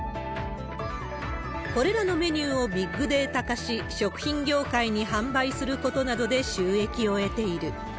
これらのメニューをビッグデータ化し、食品業界に販売することなどで収益を得ている。